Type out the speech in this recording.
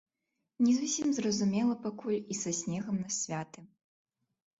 Не зусім зразумела пакуль і са снегам на святы.